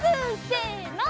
せの！